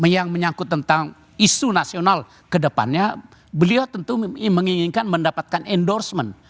yang menyangkut tentang isu nasional kedepannya beliau tentu menginginkan mendapatkan endorsement